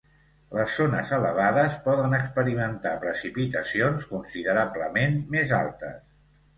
Les zones elevades poden experimentar precipitacions considerablement més altes.